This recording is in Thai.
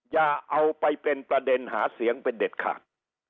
อย่าเอาไปเป็นประเด็นหาเสียงเป็นเด็ดขาด